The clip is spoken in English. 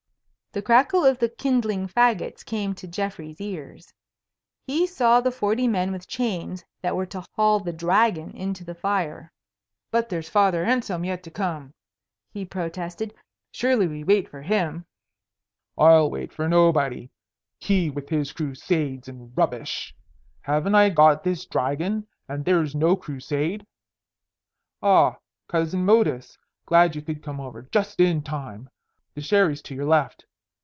The crackle of the kindling fagots came to Geoffrey's ears. He saw the forty men with chains that were to haul the Dragon into the fire. "But there's Father Anselm yet to come," he protested. "Surely we wait for him." "I'll wait for nobody. He with his Crusades and rubbish! Haven't I got this Dragon, and there's no Crusade? Ah, Cousin Modus, glad you could come over. Just in time. The sherry's to your left.